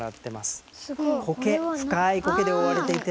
コケ深いコケで覆われていて。